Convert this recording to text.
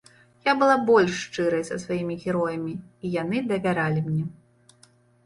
Я была больш шчырай са сваімі героямі, і яны давяралі мне.